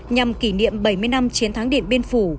nhằm kỷ niệm bảy mươi năm chiến thắng điện biên phủ